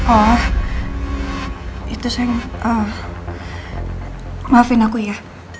oh itu saya maafin aku ya